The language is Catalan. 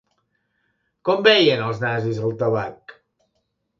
Com veien els nazis el tabac?